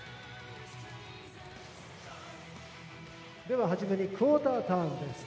では初めにクォーターターンです。